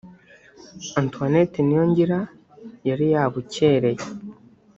Antoinette Niyongira yari yabukereye